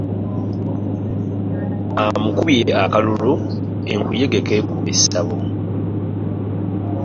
Amukubye akakule enkuyege kekuba essabo .